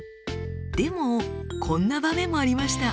でもこんな場面もありました。